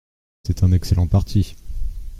C’est un excellent parti.